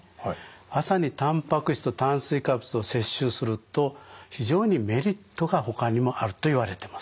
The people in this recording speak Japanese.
朝にたんぱく質と炭水化物を摂取すると非常にメリットがほかにもあるといわれてます。